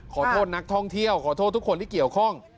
ขอโทษนักท่องเที่ยวขอโทษทุกคนที่เกี่ยวข้อง